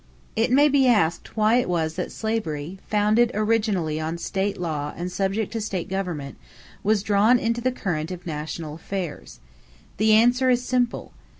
= It may be asked why it was that slavery, founded originally on state law and subject to state government, was drawn into the current of national affairs. The answer is simple.